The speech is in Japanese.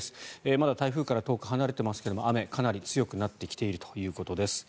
まだ台風から遠く離れてますが雨、かなり強くなってきているということです。